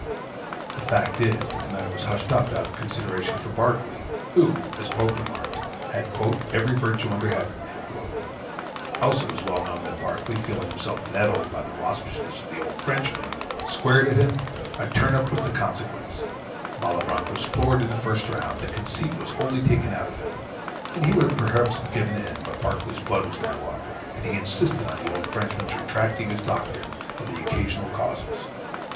The fact is, that the matter was hushed up, out of consideration for Berkeley, who (as Pope remarked) had "every virtue under heaven:" else it was well known that Berkeley, feeling himself nettled by the waspishness of the old Frenchman, squared at him; a turn up was the consequence: Malebranche was floored in the first round; the conceit was wholly taken out of him; and he would perhaps have given in; but Berkeley's blood was now up, and he insisted on the old Frenchman's retracting his doctrine of Occasional Causes.